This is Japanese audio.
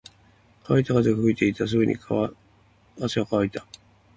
乾いた風が吹いていた。すぐに汗は乾いた。